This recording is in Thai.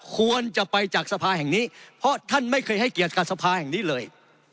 ควรจะไปจากสภาแห่งนี้เพราะท่านไม่เคยให้เกียรติกับสภาแห่งนี้เลย